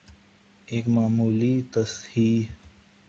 ایک معمولی تصحیح۔